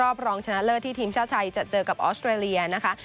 รองชนะเลิศที่ทีมชาติไทยจะเจอกับออสเตรเลียนะคะ